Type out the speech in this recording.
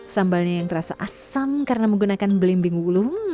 sambalnya yang terasa asam karena menggunakan belimbing wulung